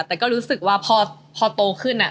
แต่ก็รู้สึกว่าพอโตขึ้น